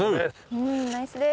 うんナイスです！